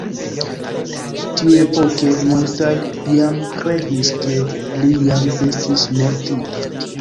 Tiuepoke, multaj jam kredis ke li jam estis mortinta.